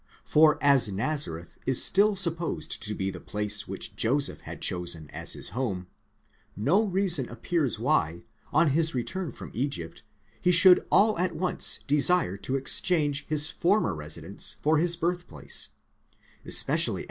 For as Nazareth is still supposed to be the place which Joseph had chosen as his home, no reason appears why, on his return from Egypt, he should all at once desire to exchange his former residence for his birth place, especially.